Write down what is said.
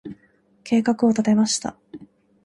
計画を立てました。